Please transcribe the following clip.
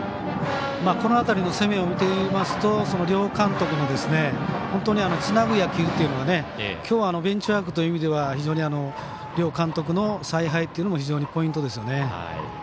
この辺りの攻めを見ていますと両監督のつなぐ野球というのが今日はベンチワークという意味で非常に両監督の采配というのもポイントですね。